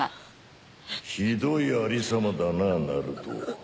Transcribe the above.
ひどいありさまだなナルト。